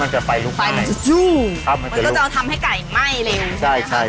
ให้ความร้อนมันอุบให้ทั่วกันใช่ไหม